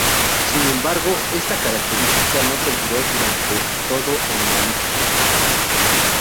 Sin embargo, esta característica no perduró durante todo el Neolítico.